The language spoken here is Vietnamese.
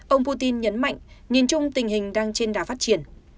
ông putin nhấn mạnh nhìn chung tình hình đang trên đà phát triển